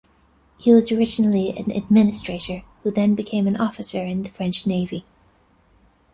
He was originally an administrator, who then became an officer in the French Navy.